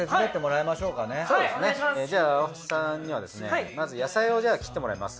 じゃあ大橋さんにはですねまず野菜をじゃあ切ってもらいます。